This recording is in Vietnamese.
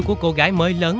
của cô gái mới lớn